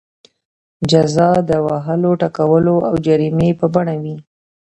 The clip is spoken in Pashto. جزا د وهلو ټکولو او جریمې په بڼه وي.